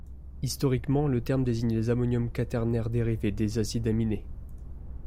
Historiquement, le terme désigne les ammoniums quaternaires dérivés des acides aminés.